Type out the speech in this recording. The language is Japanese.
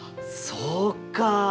そうか。